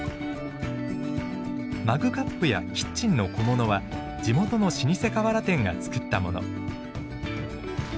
マグカップやキッチンの小物は地元の老舗瓦店が作ったもの。